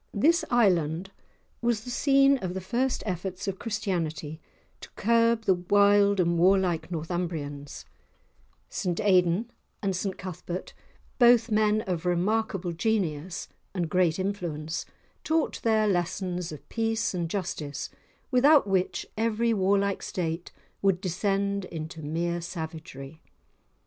This Island was the scene of the first efforts of Christianity to curb the wild and warlike Northumbrians; St Aidan, and St Cuthbert, both men of remarkable genius and great influence, taught there lessons of peace and justice without which every warlike state would descend into mere savagery.